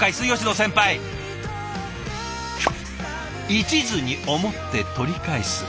「一途に思って取り返す」。